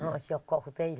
oh sejak kecil